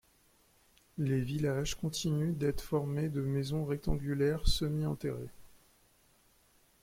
Les villages continuent d'être formés de maisons rectangulaires semi-enterrées.